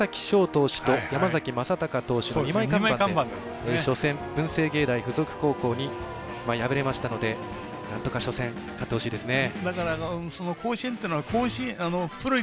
投手と山崎正貴投手の２枚看板で初戦、文星芸大付属高校に敗れましたので初戦、勝ってほしいですね。